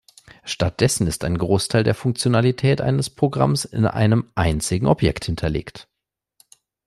Stattdessen ist ein Großteil der Funktionalität eines Programms in einem einzigen Objekt hinterlegt.